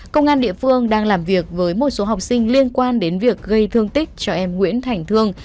công an địa phương đang làm việc với một số học sinh liên quan đến việc gây thương tích cho em nguyễn thành thương